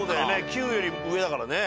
９より上だからね。